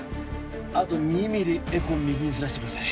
あと２ミリエコーを右にずらしてください